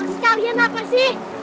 sekalian apa sih